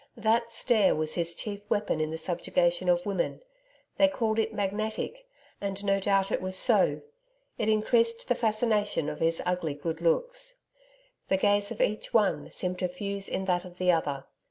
That stare was his chief weapon in the subjugation of women they called it magnetic, and no doubt it was so. It increased the fascination of his ugly good looks. The gaze of each one seemed to fuse in that of the other.